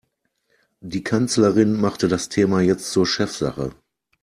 Die Kanzlerin machte das Thema jetzt zur Chefsache.